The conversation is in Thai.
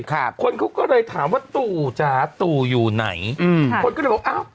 คนเขาก็เลยถามว่าตู่จ๋าตู่อยู่ไหนอืมคนก็เลยบอกอ้าว